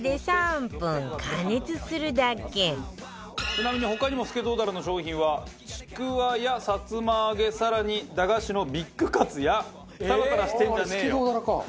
ちなみに他にもスケトウダラの商品はちくわやさつま揚げ更に駄菓子のビッグカツやタラタラしてんじゃねよ。